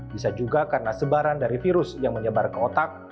bisa juga karena sebaran dari virus yang menyebar ke otak